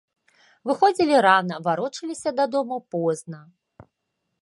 Выходзілі рана, варочаліся дадому позна.